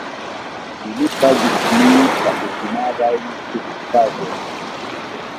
Ili pagis nur la ordinarajn kurspagojn.